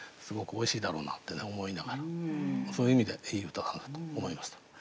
すごくおいしいだろうなって思いながらそういう意味でいい歌だなと思いました。